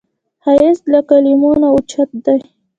ښایست له کلمو نه اوچت دی